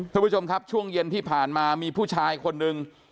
ท่านผู้ชมครับช่วงเย็นที่ผ่านมามีผู้ชายคนหนึ่ง